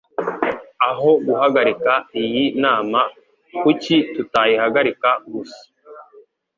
Aho guhagarika iyi nama, kuki tutayihagarika gusa?